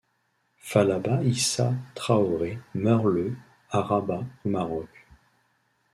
Falaba Issa Traoré meurt le à Rabat, au Maroc.